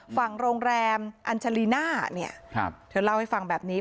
ฝั่งโรงแรมอัญชาลีน่าเนี่ยครับเธอเล่าให้ฟังแบบนี้